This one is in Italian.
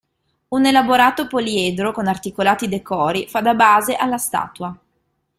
Un elaborato poliedro, con articolati decori, fa da base alla statua.